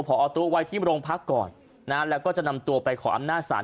พอตู้ไว้ที่โรงพักก่อนนะแล้วก็จะนำตัวไปขออำนาจศาล